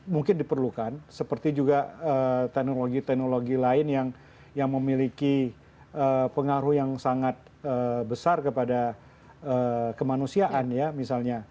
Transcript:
mungkin diperlukan seperti juga teknologi teknologi lain yang memiliki pengaruh yang sangat besar kepada kemanusiaan ya misalnya